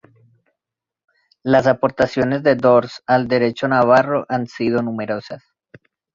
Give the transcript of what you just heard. Las aportaciones de d'Ors al derecho navarro han sido numerosas.